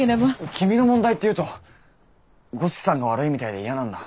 君の問題っていうと五色さんが悪いみたいで嫌なんだ。